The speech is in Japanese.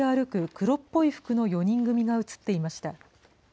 黒っぽい服の４人組が写っていました。